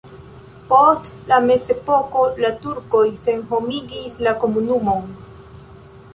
Post la mezepoko la turkoj senhomigis la komunumon.